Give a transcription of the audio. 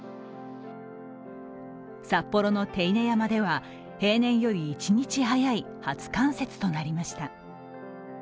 札幌の手稲山では平年より１日早い初冠雪となりました。